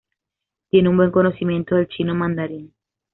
Tiene un buen conocimiento del chino mandarín.